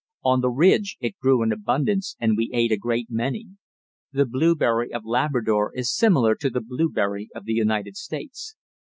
On the ridge it grew in abundance, and we ate a great many. The blueberry of Labrador is similar to the blueberry of the United States.